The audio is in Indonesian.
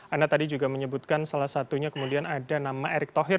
anda tadi juga menyebutkan salah satunya kemudian ada nama erick thohir